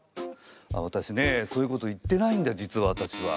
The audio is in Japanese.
わたしねそういうこと言ってないんだ実はわたしは。